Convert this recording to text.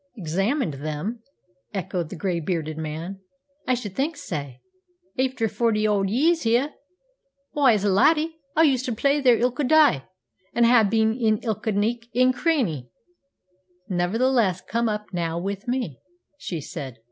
"Examined them?" echoed the gray bearded man. "I should think sae, aifter forty odd years here. Why, as a laddie I used to play there ilka day, an' ha'e been in ilka neuk an' cranny." "Nevertheless, come up now with me," she said.